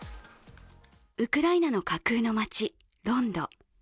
ウクライナの架空の町・ロンド。